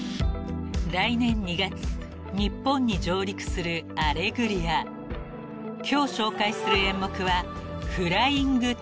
［来年２月日本に上陸する『アレグリア』］［今日紹介するの演目は］